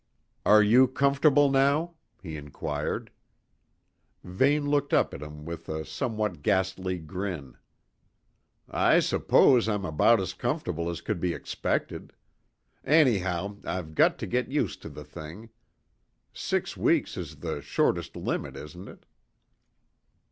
"Are you comfortable now?" he inquired. Vane looked up at him with a somewhat ghastly grin. "I suppose I'm about as comfortable as could be expected. Anyhow, I've got to get used to the thing. Six weeks is the shortest limit, isn't it?"